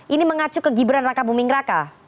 ini mengacu kegibiran raka buming raka